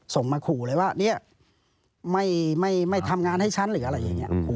ส่งมาขู่เลยว่าเนี่ยไม่ทำงานให้ฉันหรืออะไรอย่างนี้